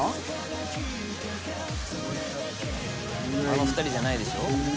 あの２人じゃないでしょ？